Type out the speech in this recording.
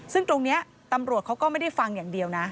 ซึ่งตรงนี้ตำรวจเขาก็ไม่ได้ฟังอย่างเดียวนะ